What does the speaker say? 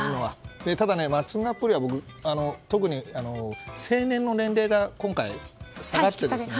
ただマッチングアプリは特に成年の年齢が今回、下がっているんですよ。